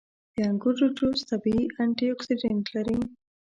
• د انګورو جوس طبیعي انټياکسیدنټ لري.